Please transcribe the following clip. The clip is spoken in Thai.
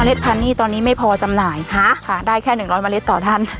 เมล็ดพันธุ์นี้ตอนนี้ไม่พอจำหน่ายค่ะค่ะได้แค่หนึ่งร้อยเมล็ดต่อท่าน